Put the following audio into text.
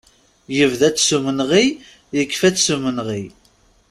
Yebda-tt s umenɣi, yekfa-tt s umenɣi.